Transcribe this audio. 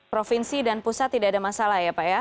provinsi dan pusat tidak ada masalah ya pak ya